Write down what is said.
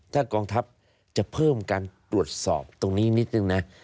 ถ้ากองทัพจะเพิ่มการตรวจสอบตรงนี้นิดนึงนะ